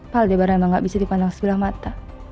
pak aldebaran emang gak bisa dipandang sebelah mata